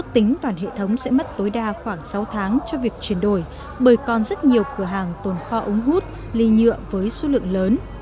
tính toàn hệ thống sẽ mất tối đa khoảng sáu tháng cho việc chuyển đổi bởi còn rất nhiều cửa hàng tồn kho ống hút ly nhựa với số lượng lớn